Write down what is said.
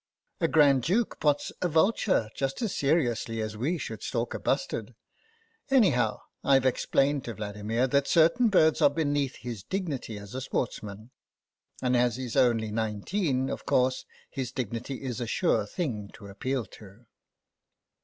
A Grand Duke pots a vulture just as seriously as we should stalk a bustard. Anyhow, IVe explained to Vladimir that certain birds are beneath his dignity as a sportsman. And as he's only nineteen, of course, his dignity is a sure thing to appeal to."